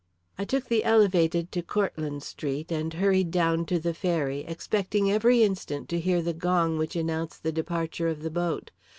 I took the elevated to Cortlandt Street, and hurried down to the ferry, expecting every instant to hear the gong which announced the departure of the boat.